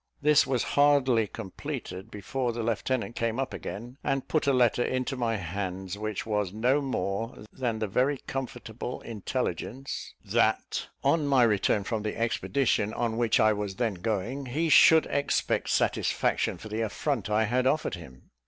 This was hardly completed, before the lieutenant came up again, and put a letter into my hands: which was no more than the very comfortable intelligence, that, on my return from the expedition on which I was then going, he should expect satisfaction for the affront I had offered him.